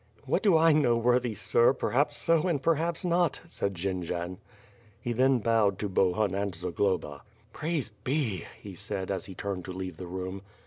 "What do I know, worthy Sir, perhaps so and perhaps not," said Jendzian. He then bowed to Bohun and Zagloba. "Praise be!" he said, as he turned to leave the room.